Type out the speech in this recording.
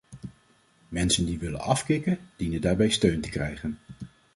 Mensen die willen afkicken, dienen daarbij steun te krijgen.